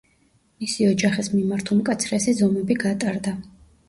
მისი ოჯახის მიმართ უმკაცრესი ზომები გატარდა.